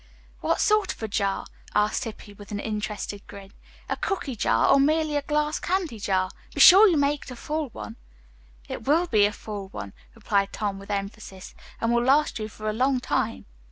"What sort of jar," asked Hippy, with an interested grin. "A cooky jar or merely a glass candy jar? Be sure you make it a full one." "It will be a full one," replied Tom with emphasis, "and will last you for a long time."